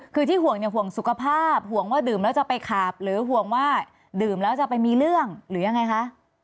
คือที่ห่วงเนี่ยห่วงสุขภาพห่วงว่าดื่มแล้วจะไปขาบหรือห่วงว่าดื่มแล้วจะไปมีเรื่องหรือยังไงคะ